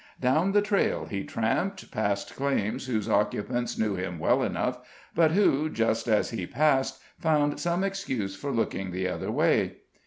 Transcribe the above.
Down the trail he tramped, past claims whose occupants knew him well enough, but who, just as he passed, found some excuse for looking the other way.